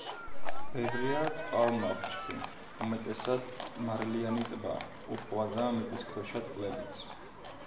ბევრია წყალმარჩხი, უმეტესად მარილიანი ტბა, უხვადაა მიწისქვეშა წყლებიც.